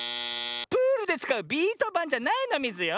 プールでつかうビートばんじゃないのミズよ。